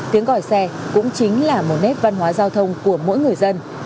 tiếng gọi xe cũng chính là một nét văn hóa giao thông của mỗi người dân